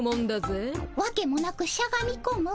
わけもなくしゃがみこむ。